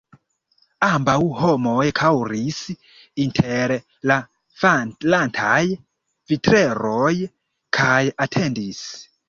Ambaŭ homoj kaŭris inter la falantaj vitreroj kaj atendis.